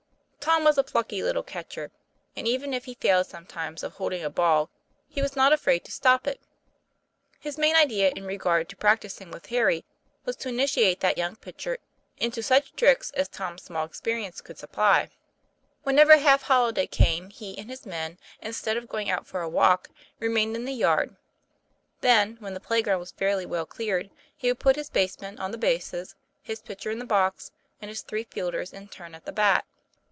Tom was a plucky little catcher, and even if he failed sometimes of holding a ball he was not afraid to stop it. His main idea in regard to practising with Harry was to initiate that young pitcher into such tricks as Tom's small experience could supply. Whenever half holiday came he and his men, in stead of going out for a walk, remained in the yard. Then, when the play ground was fairly well cleared, he would put his basemen on the bases, his pitch er in the box, and his three fielders in turn at the bat.